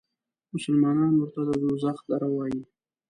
مسلمانان ورته د دوزخ دره وایي.